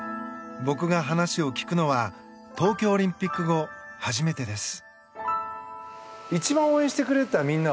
僕が話を聞くのは東京オリンピック後初めてです。